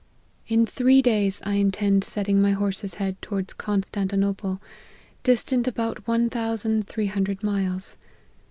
" In three days I intend setting my horse's head towards Constantinople, distant about one thousand three hundred miles.